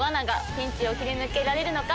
ピンチを切り抜けられるのか？